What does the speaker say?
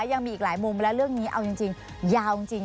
ยังมีอีกหลายมุมและเรื่องนี้เอาจริงยาวจริง